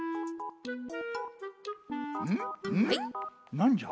なんじゃ？